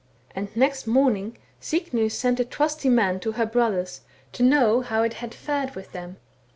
And next morning Signy sent a trusty man to her brothers, to know how it had fared with them.